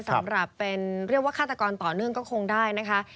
สำหรับเป็นเรียกว่าฆาตกรต่อเนื่องก็คงได้นะคะ